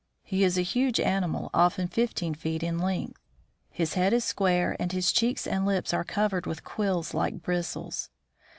He is a huge animal, often eighteen feet in length. His head is square, and his cheeks and lips are covered with quills like bristles.